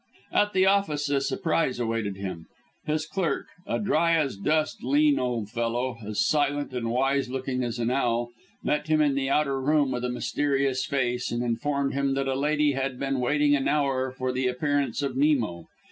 At the office a surprise awaited him. His clerk, a dry as dust, lean old fellow, as silent and wise looking as an owl, met him in the outer room with a mysterious face and informed him that a lady had been waiting an hour for the appearance of Nemo.